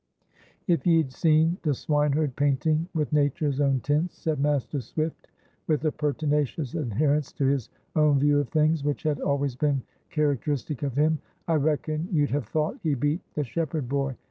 "If ye'd seen the swineherd painting with nature's own tints," said Master Swift, with a pertinacious adherence to his own view of things, which had always been characteristic of him, "I reckon you'd have thought he beat the shepherd boy.